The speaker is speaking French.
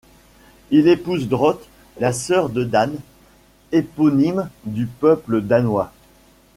Il épouse Drott, la sœur de Dan, éponyme du peuple danois.